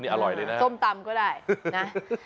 นี่อร่อยเลยนะครับส้มตำก็ได้นะ